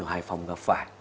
ở hải phòng gặp phải